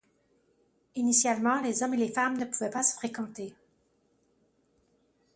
Initialement, les hommes et les femmes ne pouvaient pas se fréquenter.